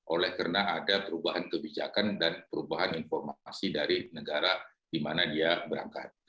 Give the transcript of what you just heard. oleh karena ada perubahan kebijakan dan perubahan informasi dari negara di mana dia berangkat